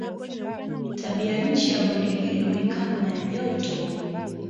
Tabianchi ya bonde hilo ni kavu na ya joto.